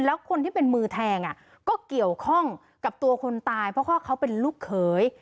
แล้วคนที่เป็นมือแทงก็เกี่ยวข้องกับตัวคนตายเพราะว่าเขาเป็นลูกเขย